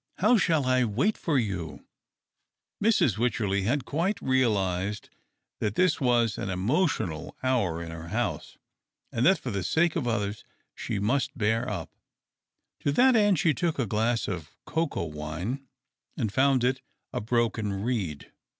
How shall I wait for you ?" Mrs. Wycherley had quite realized that this was ciii emotional hour in her house, and that for the sake of others she must bear up. To that end she took a glass of coca wine, and found it a broken reed.